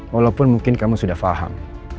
walaupun mungkin kamu sudah paham